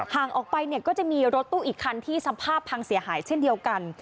ห่างออกไปเนี่ยก็จะมีรถตู้อีกคันที่สภาพพังเสียหายเช่นเดียวกัน